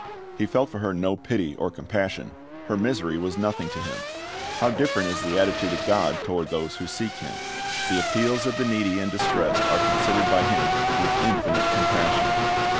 He felt for her no pity or compassion ; her misery was nothing to him. How different is the attitude of God toward those who seek Him. The appeals of the needy and distressed are considered by Him with infinite compassion.